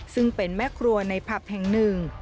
ซึ่งเป็นแม่ครัวในผับแห่งหนึ่ง